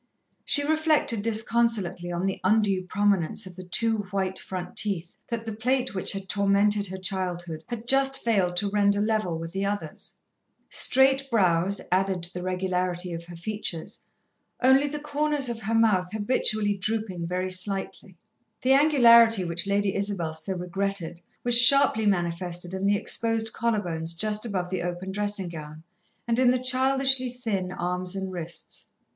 She reflected disconsolately on the undue prominence of the two, white front teeth that the plate which had tormented her childhood had just failed to render level with the others. Straight brows added to the regularity of her features, only the corners of her mouth habitually drooping very slightly. The angularity which Lady Isabel so regretted was sharply manifested in the exposed collar bones just above the open dressing gown, and in the childishly thin arms and wrists.